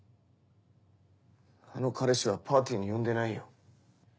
あの彼氏はパーティーに呼んでないよ。